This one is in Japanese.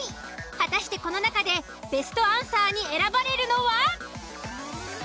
果たしてこの中でベストアンサーに選ばれるのは。